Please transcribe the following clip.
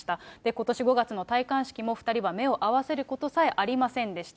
ことし５月の戴冠式も、２人は目を合わせることさえありませんでした。